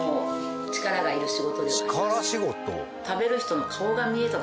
力仕事。